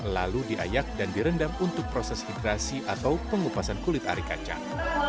lalu diayak dan direndam untuk proses hidrasi atau pengupasan kulit ari kacang